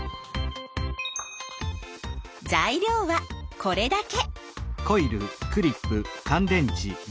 材料はこれだけ。